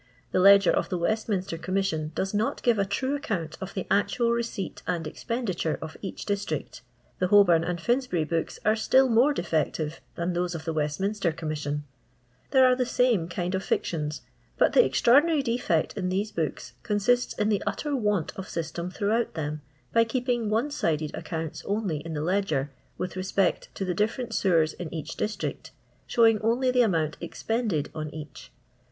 "The ledger of the Westminster Commission does not give a true account of the actual receipt and expenditure of each district " The Eolbom and Finsbury books are still more defective than those of the Westminster Commission There are the same kind of Jietumt. But the extraordinary defect in these books consists in the utter want of system throughout them, by keeping one sided accounts only in the ledger, with respect to the diflFerent sewers in each districty showing only the amount expended on each.